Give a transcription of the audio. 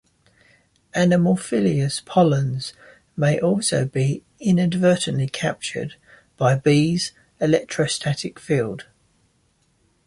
Anemophilous pollens may also be inadvertently captured by bees' electrostatic field.